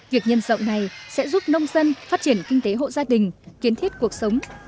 việc nhân rộng này sẽ giúp nông dân phát triển kinh tế hộ gia đình kiến thiết cuộc sống